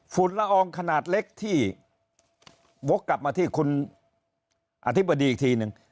ละอองขนาดเล็กที่วกกลับมาที่คุณอธิบดีอีกทีนึง